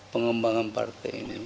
pengembangan partai ini